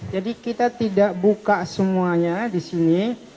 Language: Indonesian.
jadi kita tidak buka semuanya di sini